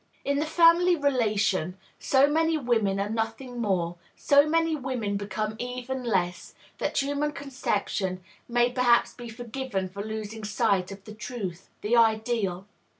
In the family relation so many women are nothing more, so many women become even less, that human conception may perhaps be forgiven for losing sight of the truth, the ideal.